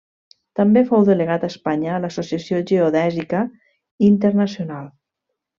També fou delegat d'Espanya a l'Associació Geodèsica Internacional.